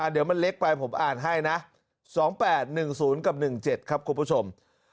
เดี๋ยวมันเล็กไปผมอ่านให้นะ๒๘๑๐กับ๑๗ครับคุณผู้ชม